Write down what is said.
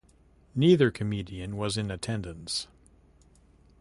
Neither comedian was in attendance.